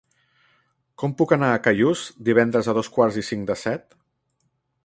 Com puc anar a Callús divendres a dos quarts i cinc de set?